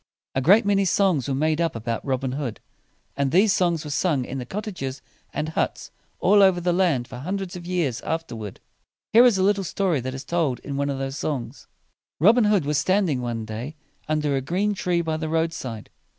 A great many songs were made up about Robin Hood, and these songs were sung in the cot ta ges and huts all over the land for hundreds of years after ward. Here is a little story that is told in one of those songs: Robin Hood was standing one day under a green tree by the road side.